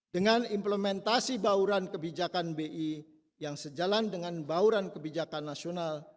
dengan implementasi bauran kebijakan bi yang sejalan dengan bauran kebijakan nasional